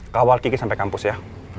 kawal kiki sampai kampus ya